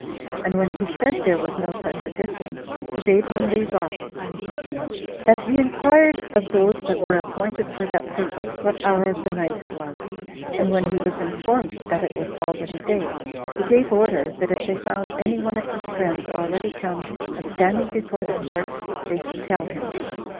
and when he said there was no such addition, he bade him leave off; and he inquired of those that were appointed for that purpose, what hour of the night it was; and when he was informed that it was already day, he gave order, that if they found any one of his friends already come, and standing before the court, they should tell him.